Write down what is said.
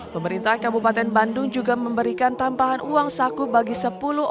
pemerintah kabupaten bandung juga memberikan tambahan uang saku bagi seorang atlet yang berada di kabupaten bandung